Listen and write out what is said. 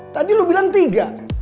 tadi lu bilang tiga